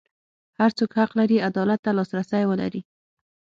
هر څوک حق لري عدالت ته لاسرسی ولري.